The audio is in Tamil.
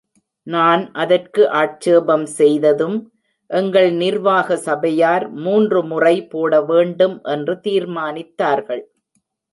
நான் அதற்கு ஆட்சேபம் செய்ததும் எங்கள் நிர்வாக சபையார், மூன்று முறை போடவேண்டும் என்று தீர்மானித்தார்கள்.